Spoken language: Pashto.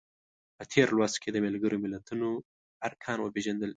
په تېر لوست کې د ملګرو ملتونو ارکان وپیژندل.